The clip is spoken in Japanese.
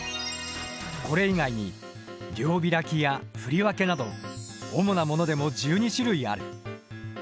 これ以外に両開きや振分など主なものでも１２種類ある。